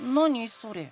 それ。